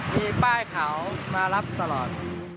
มีป้ายขาวมารับตลอด